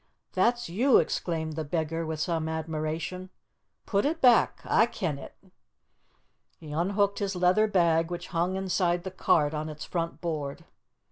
"That's you!" exclaimed the beggar, with some admiration. "Put it back. A' ken it." He unhooked his leather bag, which hung inside the cart on its front board.